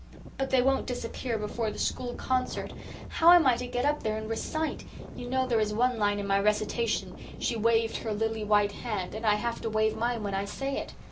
"But they won't disappear before the school concert. How am I to get up there and recite? You know there is one line in my recitation, 'She waved her lily white hand,' and I have to wave mine when I say it.